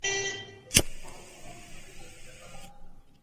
পাকিস্তানে বলিউডে নির্মিত ছবি বেশি দেখা হয় বলেও জানিয়েছেন নাদিম শাহ।